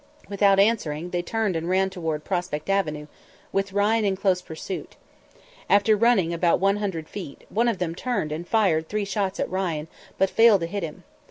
Without answering, they turned and ran toward Prospect Avenue, with Ryan in close pursuit. After running about one hundred feet, one of them turned and fired three shots at Ryan, but failed to hit him.